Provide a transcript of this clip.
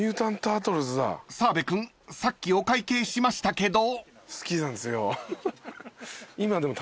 ［澤部君さっきお会計しましたけど］